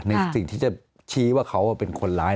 ในสิ่งที่จะชี้ว่าเขาเป็นคนร้าย